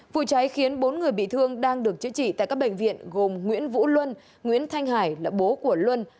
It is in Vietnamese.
vụ cháy khiến bốn người bị thương đang được chữa trị tại các bệnh viện gồm nguyễn vũ luân nguyễn thanh hải là bố của luân